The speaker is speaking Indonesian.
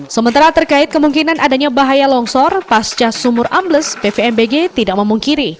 sementara terkait kemungkinan adanya bahaya longsor pasca sumur ambles pvmbg tidak memungkiri